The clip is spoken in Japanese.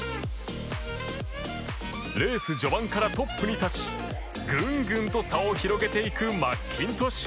レース序盤からトップに立ちぐんぐんと差を広げていくマッキントッシュ。